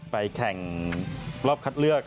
แข่งรอบคัดเลือก